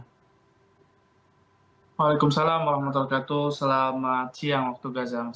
assalamualaikum wr wb selamat siang waktu gaza